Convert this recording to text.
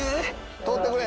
通ってくれ！